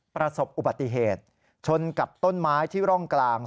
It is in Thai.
ประสบอุบัติเหตุชนกับต้นไม้ที่ร่องกลาง